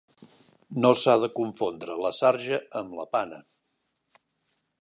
No s'ha de confondre la sarja amb la pana.